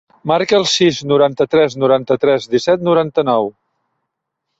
Marca el sis, noranta-tres, noranta-tres, disset, noranta-nou.